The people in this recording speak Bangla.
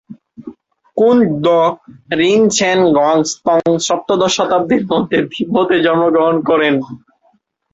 কুন-দ্গা'-রিন-ছেন-র্গ্যা-ম্ত্শো সপ্তদশ শতাব্দীতে মধ্য তিব্বতে জন্মগ্রহণ করেন।